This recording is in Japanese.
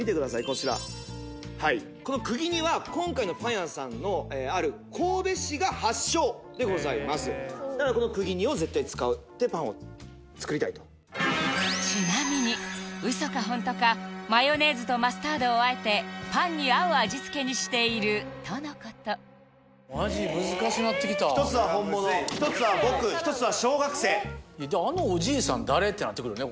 こちらこのくぎ煮は今回のパン屋さんのある神戸市が発祥でございますだからこのくぎ煮を絶対使ってパンを作りたいとちなみにウソかホントかマヨネーズとマスタードを和えてパンに合う味つけにしているとのことマジ難しなってきた１つは本物１つは僕１つは小学生ってなってくるよね